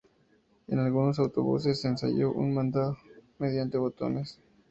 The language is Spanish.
En algunos autobuses se ensayó un mando mediante botones.